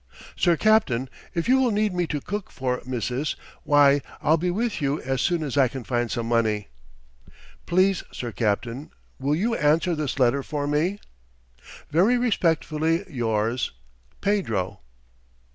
"Sir Capt. If you will need me to cook for Mrs. why I'll be with you as soon as I can find some money. "Please Sir Capt. "Will you answer this letter for me? "Very respectfully "Yours, PEDRO."